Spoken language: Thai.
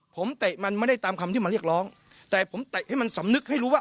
ผมเตะมันไม่ได้ตามคำที่มาเรียกร้องแต่ผมเตะให้มันสำนึกให้รู้ว่า